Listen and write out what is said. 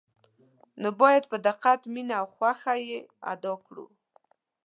نو باید په دقت، مینه او خوښه یې ادا کړو.